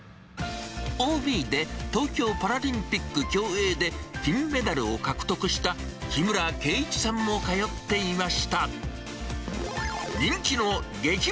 ＯＢで東京パラリンピック競泳で金メダルを獲得した木村敬一さんも通っていました。